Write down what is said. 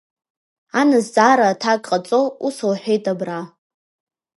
Ан азҵаара аҭак ҟаҵо, ус лҳәеит убра…